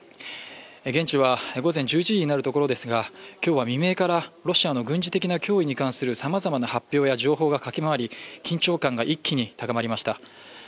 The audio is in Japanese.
現地は午前１１時になるところですが、今日は未明からロシアの軍事的な脅威に関するさまざまな発表や情報が駆け回り緊張感が一気に高まりました。